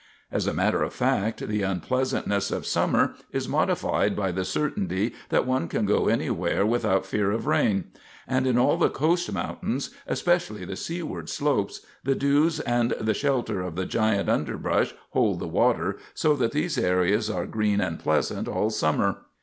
As a matter of fact, the unpleasantness of summer is modified by the certainty that one can go anywhere without fear of rain. And in all the coast mountains, especially the seaward slopes, the dews and the shelter of the giant underbrush hold the water, so that these areas are green and pleasant all summer.